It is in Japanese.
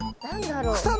何だろう？